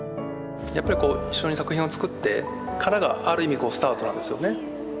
やっぱりこう一緒に作品を作ってからがある意味スタートなんですよね。